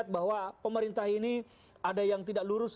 bahwa pemerintah ini ada yang tidak lurus